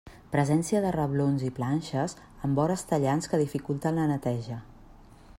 Presència de reblons i planxes amb vores tallants que dificulten la neteja.